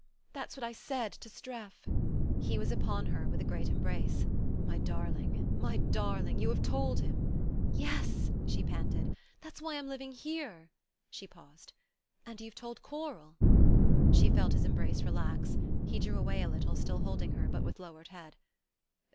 that's what I said to Streff...." He was upon her with a great embrace. "My darling! My darling! You have told him?" "Yes," she panted. "That's why I'm living here." She paused. "And you've told Coral?" She felt his embrace relax. He drew away a little, still holding her, but with lowered head.